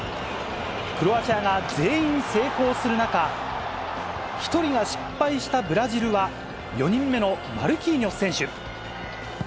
クロアチアが全員成功する中、１人が失敗したブラジルは、４人目のマルキーニョス選手。